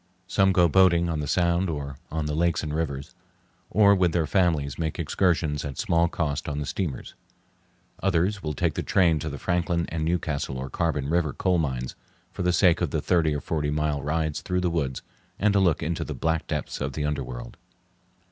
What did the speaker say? Some go boating on the Sound or on the lakes and rivers, or with their families make excursions at small cost on the steamers. Others will take the train to the Franklin and Newcastle or Carbon River coal mines for the sake of the thirty or forty mile rides through the woods, and a look into the black depths of the underworld.